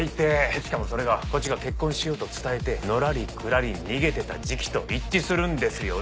しかもそれがこっちが「結婚しよう」と伝えてのらりくらり逃げてた時期と一致するんですよね。